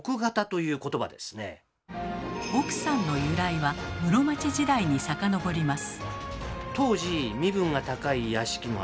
「奥さん」の由来は室町時代に遡ります。